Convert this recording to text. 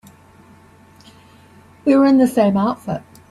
We were in the same outfit.